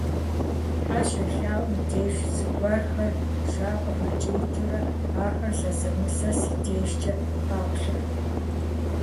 Тхьэ щелъэӀум деж, зыгуэрхэр жаӀэу къыхэкӀиикӀыурэ, ахэр зэзэмызэ си дежкӀэ къаплъэрт.